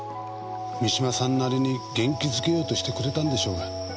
三島さんなりに元気付けようとしてくれたんでしょうが。